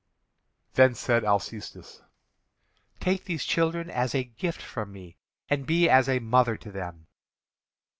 Then said Alcestis: "Take these children as a gift from me, and be as a mother to them."